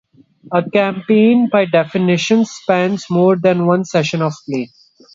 A campaign by definition spans more than one session of play.